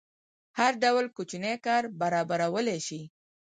هر ډول کوچنی کار برابرولی شي.